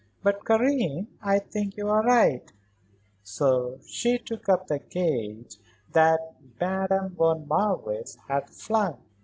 "But Karen, I think you are right," so she took up the gage that Madame von Marwitz had flung.